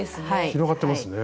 広がってますね。